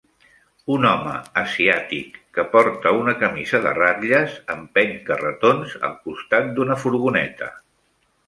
Un home asiàtic que porta una camisa de ratlles empeny carretons al costat d'una furgoneta.